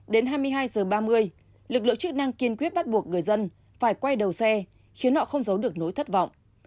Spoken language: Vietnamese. đến hai mươi hai h ba mươi lực lượng chức năng kiên quyết bắt buộc người dân phải quay đầu xe khiến họ không giấu được nỗi thất vọng